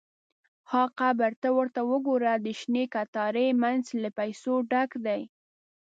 – ها قبر! ته ورته وګوره، د شنې کتارې مینځ له پیسو ډک دی.